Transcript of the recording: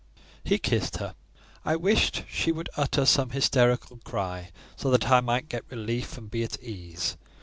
He kissed her. I wished she would utter some hysterical cry, so that I might get relief and be at ease.